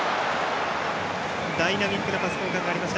ダイナミックなパス交換がありました。